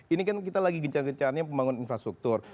ini kan kita lagi gencang gencangnya pembangunan infrastruktur